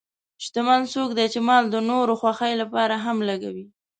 شتمن څوک دی چې مال د نورو خوښۍ لپاره هم لګوي.